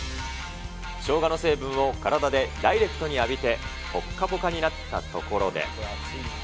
しょうがの成分を体でダイレクトに浴びてぽっかぽかになったところで。